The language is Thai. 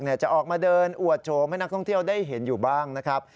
จะออกมาเดินอวดโฉมให้นักท่องเที่ยวได้เห็นอยู่บ้างนะครับ